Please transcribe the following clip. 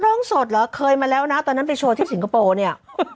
ร้องสดเหรอเคยมาแล้วนะตอนนั้นไปโชว์ที่สิงคโปร์เนี่ย